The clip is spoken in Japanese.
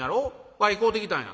わい買うてきたんや。